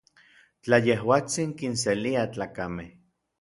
Tla yejuatsin kinselia tlakamej.